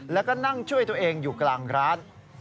แล้วก็นั่งช่วยตัวเองอยู่กลางร้าน